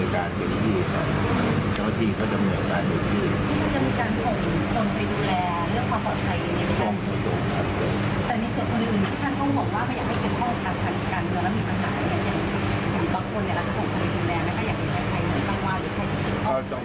อยากให้ใครต้องว่าหรือใครต้องติดตาม